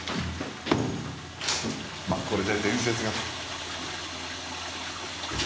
まあこれで伝説が。